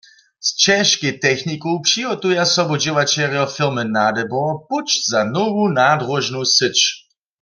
Z ćežkej techniku přihotuja sobudźěłaćerjo firmy Nadebor puć za nowu nadróžnu syć.